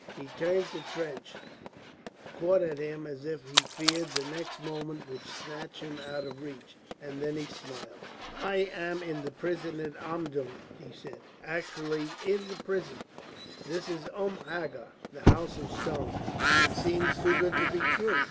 He turned to Trench, caught at him as if he feared the next moment would snatch him out of reach, and then he smiled. "I am in the prison at Omdurman," he said, "actually in the prison! This is Umm Hagar, the House of Stone. It seems too good to be true."